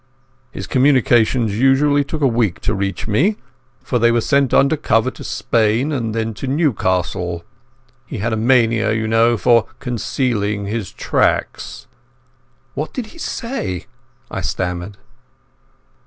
His communications usually took a week to reach me, for they were sent under cover to Spain and then to Newcastle. He had a mania, you know, for concealing his tracks." "What did he say?" I stammered.